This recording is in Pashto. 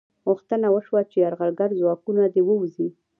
غوښتنه وشوه چې یرغلګر ځواکونه دې ووځي.